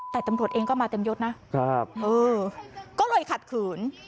แต่ตำรวจเองก็มาเต็มโยชน์นะเออคัดขืน